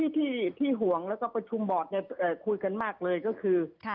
ที่ห่วงแล้วก็ประชุมบอร์ดคุยกันมากเลยก็คือ